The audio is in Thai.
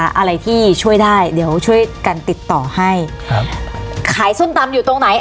อะไรที่ช่วยได้เดี๋ยวช่วยกันติดต่อให้ครับขายส้มตำอยู่ตรงไหน